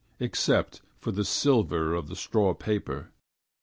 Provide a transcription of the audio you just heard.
Except for the silver Of the straw paper.